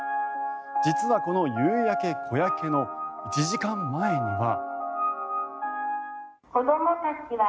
実はこの「夕焼小焼」の１時間前には。